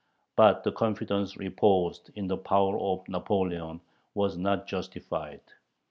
But the confidence reposed in the power of Napoleon was not justified.